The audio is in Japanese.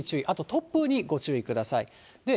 あと突風にご注意ください。